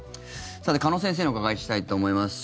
鹿野先生にお伺いしたいと思います。